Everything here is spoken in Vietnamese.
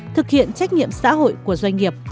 thực hiện trách nhiệm xã hội của doanh nghiệp